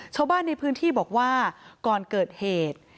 ชาวบ้านในพื้นที่บอกว่าก่อนเกิดเหตุ